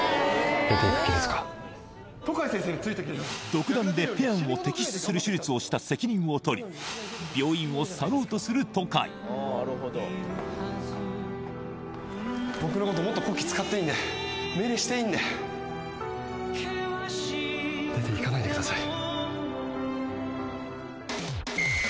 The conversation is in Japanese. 独断でペアンを摘出する手術をした責任を取り僕のこともっとこき使っていいんで命令していいんで出ていかないでください